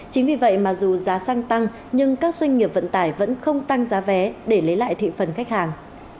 chính vì vậy mà dù giá xăng tăng nhưng các doanh nghiệp vận tải vẫn không tăng giá vé để lấy lại thị phần khách hàng